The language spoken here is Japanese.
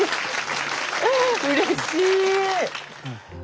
うれしい！